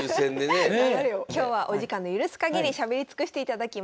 今日はお時間の許すかぎりしゃべり尽くしていただきます。